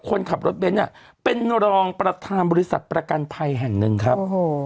คนขับรถเบนท์เป็นรองประธานบริษัทประกันภัยแห่งหนึ่งครับ